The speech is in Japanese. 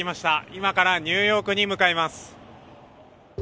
今からニューヨークに向かいます。